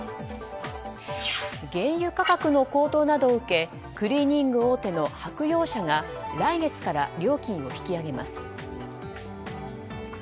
原油価格の高騰などを受けクリーニング大手の白洋舎が来月から料金を引き上げます。